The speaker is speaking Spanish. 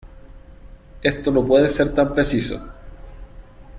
esto no puede ser tan preciso.